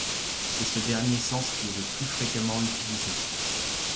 C'est ce dernier sens qui est le plus fréquemment utilisé.